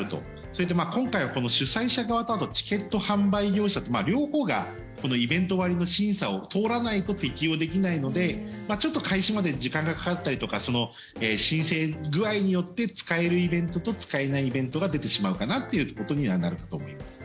それで今回はこの主催者側とあとチケット販売業者と両方がこのイベント割の審査を通らないと、適用できないのでちょっと開始まで時間がかかったりとか申請具合によって使えるイベントと使えないイベントが出てしまうかなということにはなるかと思います。